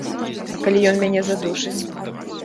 А калі ён мяне задушыць?